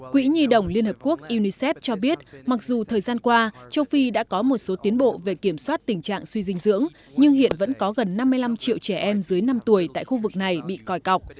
quỹ nhi đồng liên hợp quốc unicef cho biết mặc dù thời gian qua châu phi đã có một số tiến bộ về kiểm soát tình trạng suy dinh dưỡng nhưng hiện vẫn có gần năm mươi năm triệu trẻ em dưới năm tuổi tại khu vực này bị còi cọc